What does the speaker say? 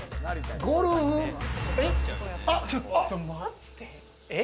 ちょっと待って。